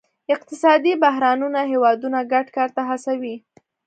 اقتصادي بحرانونه هیوادونه ګډ کار ته هڅوي